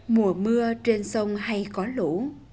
mùa mưa trên sông hay có lũ